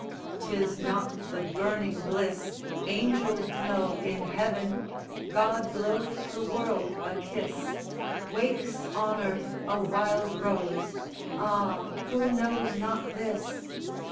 'Tis not the burning bliss Angels know in heaven! God blows the world a kiss Wakes on earth a wild rose! Ah, who knows not this?